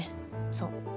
そう。